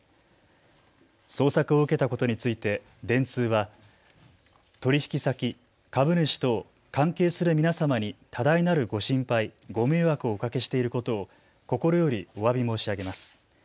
捜索を受けたことについて電通は取引先、株主等、関係する皆様に多大なるご心配、ご迷惑をおかけしていることを心よりおわび申し上げます。